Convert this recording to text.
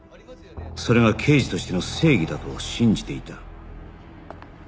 それが刑事としての正義だと信じていた